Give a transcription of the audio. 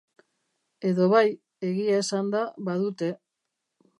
Edo bai, egia esanda, badute.